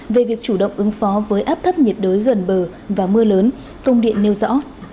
về việc chủ động ứng phó với áp thấp nhiệt đới gần bờ và mưa lớn công điện nêu rõ